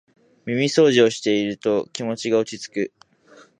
耳そうじしてると気持ちが落ちつく